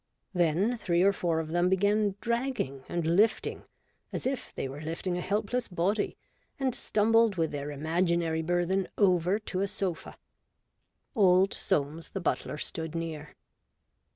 Then three or four of them began dragging and lifting, as if they were lifting a helpless body, and stumbled with their imaginary burthen over to a sofa. Old Soames, the butler, stood near.